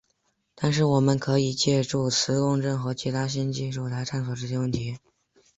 但是我们可以借助磁共振和其他新技术来探索这些问题。